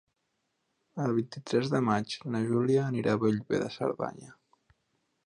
El vint-i-tres de maig na Júlia anirà a Bellver de Cerdanya.